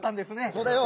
そうだよ。